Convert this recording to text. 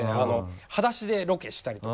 はだしでロケしたりとか。